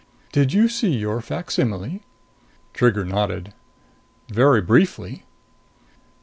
"Did you see your facsimile?" Trigger nodded. "Very briefly."